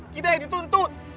kita yang dituntut